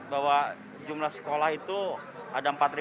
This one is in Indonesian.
bahwa jumlah sekolah negeri